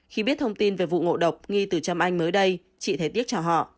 hết thông tin về vụ ngộ độc nghi từ trâm anh mới đây chị thấy tiếc cho họ